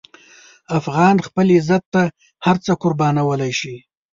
افغان خپل عزت ته هر څه قربانولی شي.